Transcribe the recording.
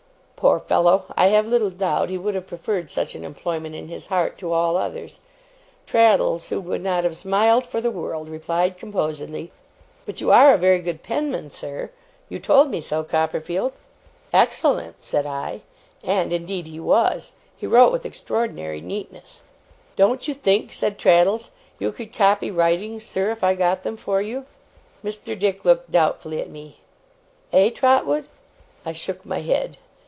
Poor fellow! I have little doubt he would have preferred such an employment in his heart to all others. Traddles, who would not have smiled for the world, replied composedly: 'But you are a very good penman, sir. You told me so, Copperfield?' 'Excellent!' said I. And indeed he was. He wrote with extraordinary neatness. 'Don't you think,' said Traddles, 'you could copy writings, sir, if I got them for you?' Mr. Dick looked doubtfully at me. 'Eh, Trotwood?' I shook my head.